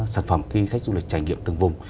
sản phẩm khi khách du lịch trải nghiệm từng vùng